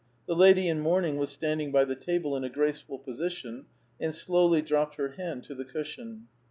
The lady in mourn ing was standing by the table, in a graceful position, and slowly dropped her hand to the cushion.